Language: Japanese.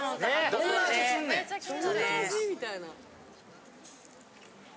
どんな味？みたいな。